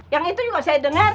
yang itu juga saya dengar